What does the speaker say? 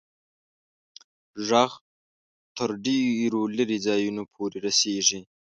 ږغ تر ډېرو لیري ځایونو پوري رسیږي.